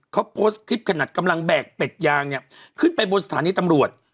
เค้าโพสต์คลิปกำลังแบกแปดยางขึ้นไปบนสถานีตำรวจ